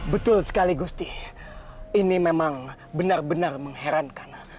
betul sekali gusti ini memang benar benar mengherankan